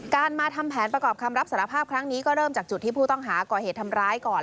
มาทำแผนประกอบคำรับสารภาพครั้งนี้ก็เริ่มจากจุดที่ผู้ต้องหาก่อเหตุทำร้ายก่อน